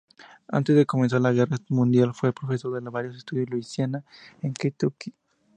Antes de comenzar la I Guerra Mundial fue profesor en varios estados, Luisiana, Kentucky.